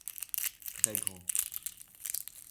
Très grand.